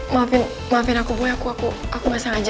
maafin maafin aku boy aku aku aku gak sengaja